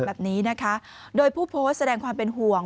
แบบนี้นะคะโดยผู้โพสต์แสดงความเป็นห่วง